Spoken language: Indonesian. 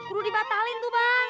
udah dibatalin tuh bang